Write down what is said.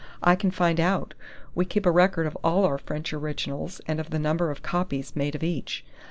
"I can find out. We keep a record of all our French originals and of the number of copies made of each....